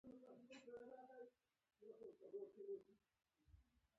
چای او سندرې یو ځای خوند کوي.